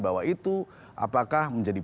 bahwa itu apakah menjadi